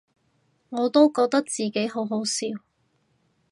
我都覺得自己好好笑